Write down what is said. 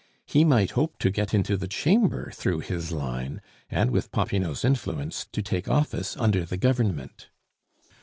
He might hope to get into the Chamber through "his line," and, with Popinot's influence, to take office under the Government.